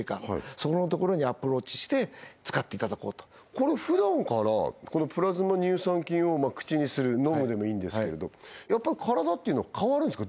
そこのところにアプローチして使っていただこうとふだんからこのプラズマ乳酸菌を口にする飲むでもいいんですけれどやっぱ体っていうのは変わるんですか？